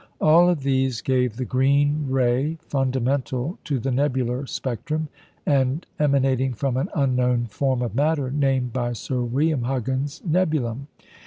All of these gave the green ray fundamental to the nebular spectrum, and emanating from an unknown form of matter named by Sir William Huggins "nebulum."